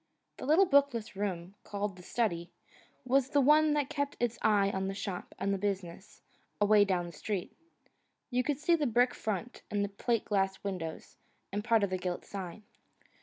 The little bookless room, called the study, was the one that kept its eye on the shop and the business, away down the street. You could see the brick front, and the plate glass windows, and part of the gilt sign.